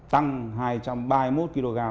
tăng hai trăm ba mươi một kg